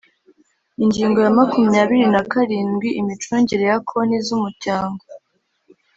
Ingingo ya makumyabiri na karindwi: Imicungire ya Konti z’Umuryango.